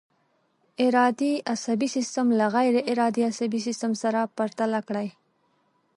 ارادي عصبي سیستم له غیر ارادي عصبي سیستم سره پرتله کړئ.